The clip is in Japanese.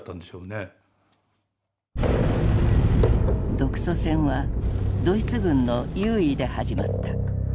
独ソ戦はドイツ軍の優位で始まった。